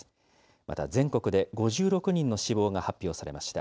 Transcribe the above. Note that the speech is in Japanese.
また、全国で５６人の死亡が発表されました。